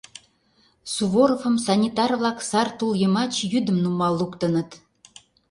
Суворовым санитар-влак сар тул йымач йӱдым нумал луктыныт.